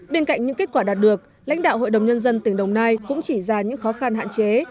bên cạnh những kết quả đạt được lãnh đạo hội đồng nhân dân tỉnh đồng nai cũng chỉ ra những khó khăn hạn chế